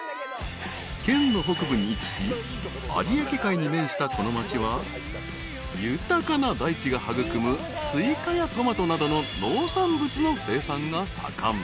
［県の北部に位置し有明海に面したこの町は豊かな大地が育むスイカやトマトなどの農産物の生産が盛ん］